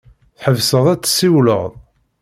Tḥebseḍ ad tessiwleḍ.